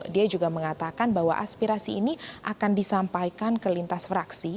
dia juga mengatakan bahwa aspirasi ini akan disampaikan ke lintas fraksi